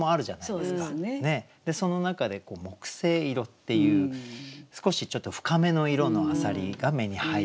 でその中で木星色っていう少しちょっと深めの色の浅蜊が目に入ったと。